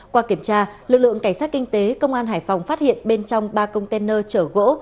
qua kiểm tra lực lượng cảnh sát kinh tế công an hải phòng phát hiện bên trong ba container chở gỗ